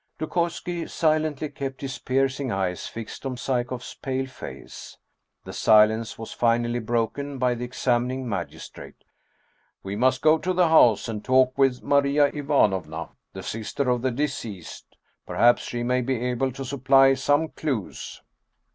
Dukoyski silently kept his piercing eyes fixed on Psyekoff's pale face. The silence was finally broken by the examining magistrate: " We must go to the house and talk with Maria Ivan ovna, the sister of the deceased. Perhaps she may be able to supply some clews."